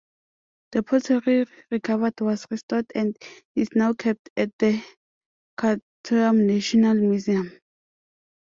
The pottery recovered was restored and is now kept at the Khartoum National Museum.